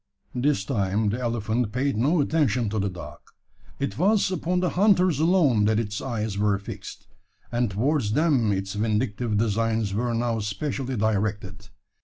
This time the elephant paid no attention to the dog. It was upon the hunters alone that its eyes were fixed; and towards them its vindictive designs were now specially directed.